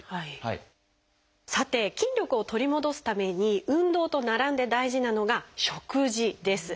さて筋力を取り戻すために運動と並んで大事なのが食事です。